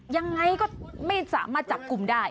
ยังไงก็ไม่สามารถจับกลุ่มได้